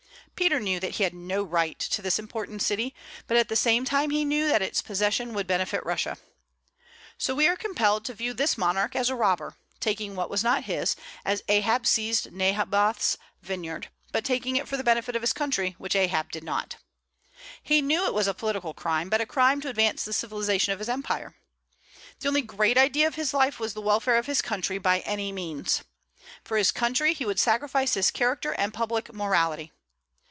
Peter knew that he had no right to this important city; but at the same time he knew that its possession would benefit Russia. So we are compelled to view this monarch as a robber, taking what was not his, as Ahab seized Naboth's vineyard; but taking it for the benefit of his country, which Ahab did not. He knew it was a political crime, but a crime to advance the civilization of his empire. The only great idea of his life was the welfare of his country, by any means. For his country he would sacrifice his character and public morality.